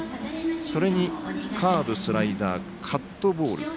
それにカーブ、スライダーカットボール。